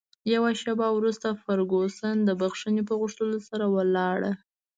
یوه شیبه وروسته فرګوسن د بښنې په غوښتلو سره ولاړه.